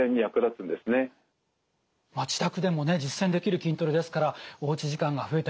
自宅でもね実践できる筋トレですからおうち時間が増えた